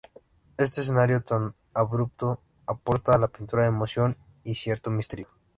Este escenario tan abrupto aporta a la pintura emoción y cierto misterio.